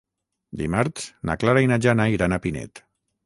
Dimarts na Clara i na Jana iran a Pinet.